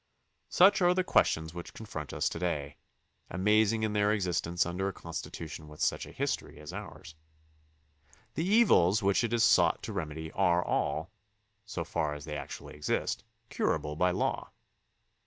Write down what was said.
Such are the questions which confront us to day, amazing in their existence under a Constitution with such a history as ours. The evils which it is sought to remedy are all, so far as they actually exist, curable by law.